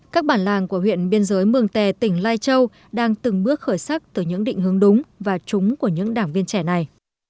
các bản làng của huyện biên giới mường tè tỉnh lai châu đang từng bước khởi sắc từ những định hướng đúng và trúng của những đảng viên trẻ này